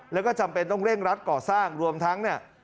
แล้วก็จำเป็นต้องเร่งรัดก่อสร้างรวมทั้งเนี่ย